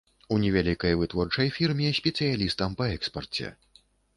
У невялікай вытворчай фірме, спецыялістам па экспарце.